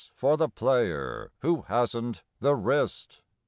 for the player who hasn't the wrist!)